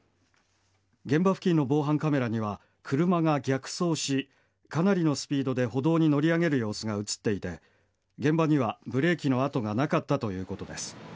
現場付近の防犯カメラには車が逆走しかなりのスピードで歩道に乗り上げる様子が映っていて現場にはブレーキの痕がなかったということです。